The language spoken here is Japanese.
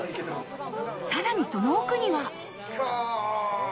さらにその奥には。